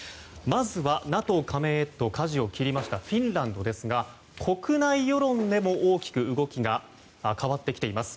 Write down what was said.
まずはＮＡＴＯ加盟へとかじを切りましたフィンランドですが国内世論でも大きく変わってきています。